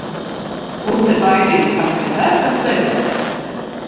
Un te baidīt, kas te dzer, kas nedzer.